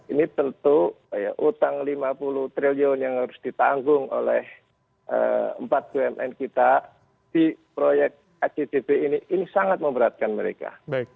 ini tentu utang lima puluh triliun yang harus ditanggung oleh empat bumn kita di proyek actv ini ini sangat memberatkan mereka